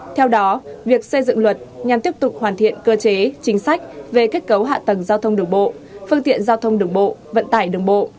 theo đó việc xây dựng luật nhằm tiếp tục hoàn thiện cơ chế chính sách về kết cấu hạ tầng giao thông đường bộ phương tiện giao thông đường bộ vận tải đường bộ